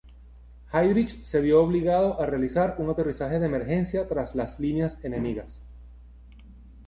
Heydrich se vio obligado a realizar un aterrizaje de emergencia tras las líneas enemigas.